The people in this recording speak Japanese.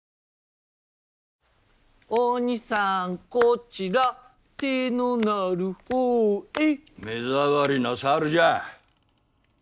鬼さんこちら手の鳴るほうへ目障りな猿じゃ。